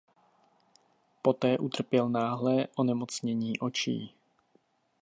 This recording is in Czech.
Poté utrpěl náhlé onemocnění očí.